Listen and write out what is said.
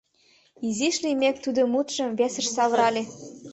Изиш лиймек тудо мутшым весыш савырале.